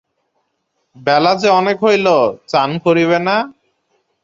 বেলা যে অনেক হইল, চান করিবে না?